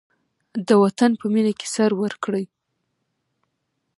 د وطن په مینه کې سر ورکړئ.